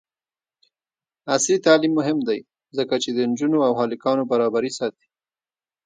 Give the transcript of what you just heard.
عصري تعلیم مهم دی ځکه چې د نجونو او هلکانو برابري ساتي.